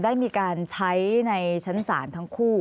ได้มีการใช้ในชั้นศาลทั้งคู่